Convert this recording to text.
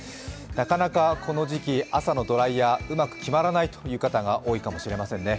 なかなかこの時期朝のドライヤーーうまく決まらないという方が多いかもしれませんね。